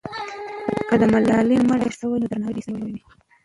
که د ملالۍ مړی ښخ سوی وي، نو درناوی به یې سوی وي.